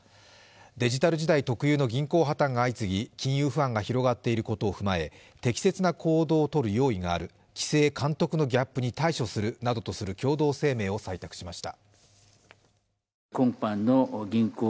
デジタル時代特有の銀行破綻が相次ぎ、金融不安が広がっていることを踏まえ、適切な行動をとる用意がある規制・監督のギャップに対処するなどとする共同声明を採択しました。